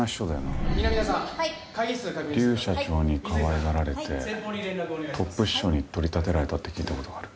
劉社長にかわいがられてトップ秘書に取り立てられたって聞いた事がある。